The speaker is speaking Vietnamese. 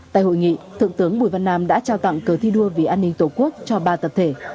tại hội nghị thượng tướng bùi văn nam đã trao tặng cờ thi đua vì an ninh tổ quốc cho ba tập thể